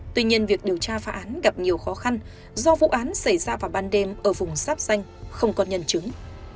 tuy nhiên việc điều tra phá án gặp nhiều khó khăn do vụ án xảy ra vào ban đêm ở vùng sáp xanh không có nhân chứng